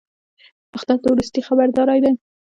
اخطار د وروستي خبرداری دی